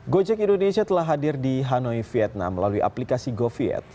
gojek indonesia telah hadir di hanoi vietnam melalui aplikasi goviet